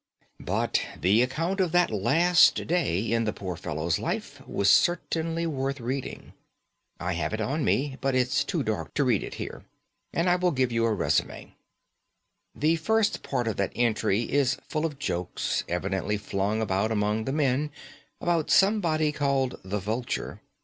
"But the account of that last day in the poor fellow's life was certainly worth reading. I have it on me; but it's too dark to read it here, and I will give you a resume. The first part of that entry is full of jokes, evidently flung about among the men, about somebody called the Vulture.